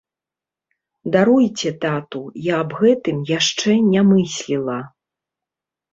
Даруйце, тату, я аб гэтым яшчэ не мысліла.